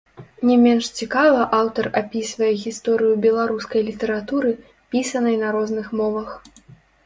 Не менш цікава аўтар апісвае гісторыю беларускай літаратуры, пісанай на розных мовах.